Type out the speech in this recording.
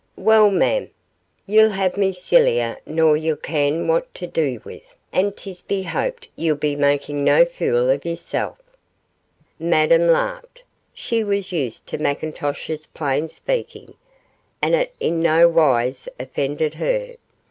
'Weel, mem, ye'll have mair siller nor ye'll ken what to dae wi', an' 'tis to be hoped ye'll no be making a fool of yersel.' Madame laughed she was used to McIntosh's plain speaking, and it in no wise offended her.